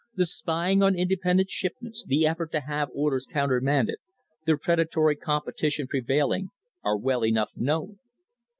The spying on independent ship ments, the effort to have orders countermanded, the predatory competition prevailing, are well enough known.